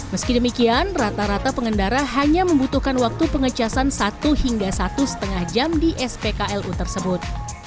meski demikian rata rata pengendara hanya membutuhkan waktu pengecasan satu hingga satu lima jam di spklu tersebut